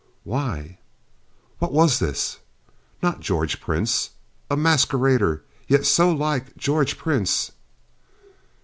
Why, what was this? Not George Prince? A masquerader, yet so like George Prince.